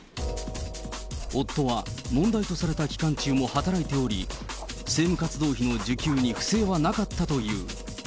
夫は問題とされた期間中も働いており、政務活動費の受給に不正はなかったという。